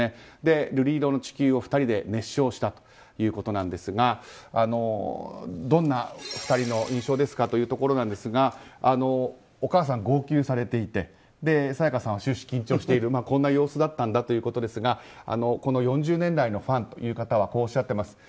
「瑠璃色の地球」を２人で熱唱したということなんですがどんな２人の印象ですかというところなんですがお母さん、号泣されていて沙也加さんは終始緊張しているこんな様子だったんだということですがこの４０年来のファンの方はこうおっしゃっています。